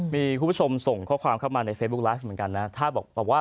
มีคุณผู้ชมส่งข้อความเข้ามาในเฟซบุ๊คไลฟ์เหมือนกันนะ